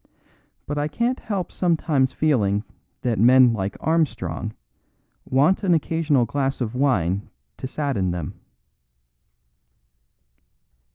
But I can't help sometimes feeling that men like Armstrong want an occasional glass of wine to sadden them."